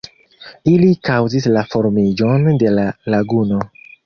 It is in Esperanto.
Ili kaŭzis la formiĝon de la laguno.